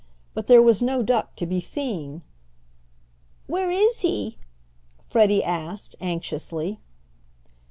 But there was no duck to be seen. "Where is he?" Freddie asked, anxiously.